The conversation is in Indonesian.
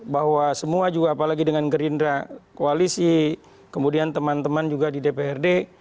bahwa semua juga apalagi dengan gerindra koalisi kemudian teman teman juga di dprd